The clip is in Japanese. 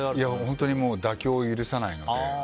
本当に、妥協を許さないので。